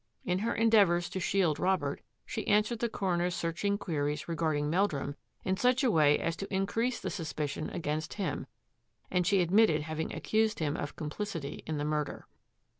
In her endeavours to shield Rob ert, she answered the coroner's searching queries regarding Meldrum in such a way as to increase the suspicion against him, and she admitted hav ing accused him of complicity in the murder.